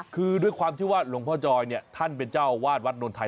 คือด้วยความที่ว่าหลวงพ่อจอยเนี่ยท่านเป็นเจ้าวาดวัดนวลไทย